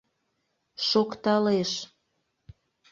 шокталеш;